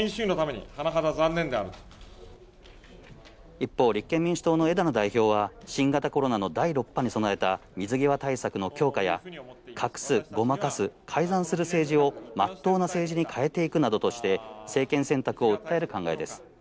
一方、立憲民主党の枝野の代表は新型コロナの第６波に備えた水際対策の強化や、隠す、ごまかす、改ざんする政治を真っ当な政治に変えていくなどとして、政権選択を訴える考えです。